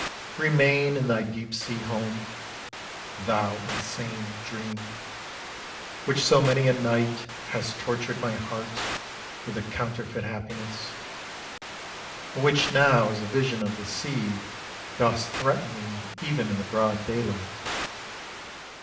Remain in thy deep sea home, Thou insane dream, Which so many a night Hast tortured my heart with a counterfeit happiness, And which now as a vision of the sea Dost threaten me even in the broad daylight.